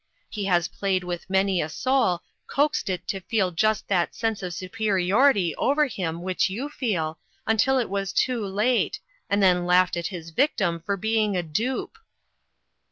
He has played with many a soul, coaxed it to feel just that sense of superiority over him which you feel, until it was too late, and then laughed at his victim for being a dupe."